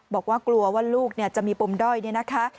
บอกว่ากลัวว่าลูกจะมีปมด้อยเนี่ยนะคะ